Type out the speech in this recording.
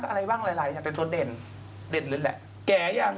คืออะไรมันจะเป็นตัวเด่น